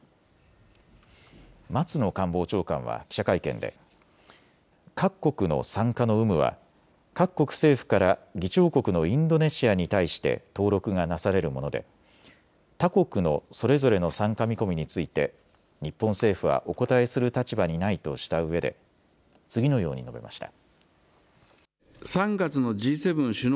松野官房長官は記者会見で各国の参加の有無は各国政府から議長国のインドネシアに対して登録がなされるもので他国のそれぞれの参加見込みについて日本政府はお答えする立場にないとしたうえで次のように述べました。